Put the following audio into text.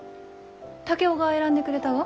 竹雄が選んでくれたが？